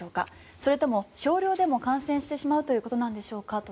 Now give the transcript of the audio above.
それとも少量でも感染してしまうということなんでしょうか？